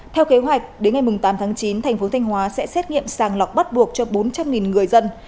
theo kế hoạch đến ngày tám tháng chín thành phố thanh hóa sẽ xét nghiệm sàng lọc bắt buộc cho bốn trăm linh người dân